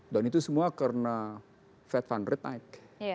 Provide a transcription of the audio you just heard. dan itu semua karena fed fund rate naik